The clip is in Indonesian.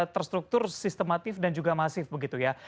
terstruktur sistematif dan juga masif begitu ya